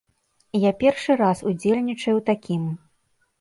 Я першы раз удзельнічаю ў такім.